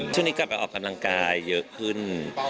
ช่วงนี้กลับไปออกกำลังกายเยอะขึ้น